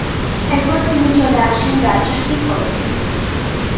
এরপর তিনি চলে আসেন রাজশাহী কলেজে।